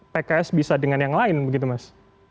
pks bisa dengan yang lain begitu mas